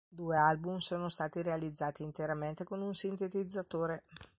Due album sono stati realizzati interamente con un sintetizzatore.